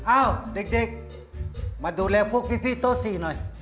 อ้าวเด็กมาดูแลพวกพี่โต๊ะ๔หน่อย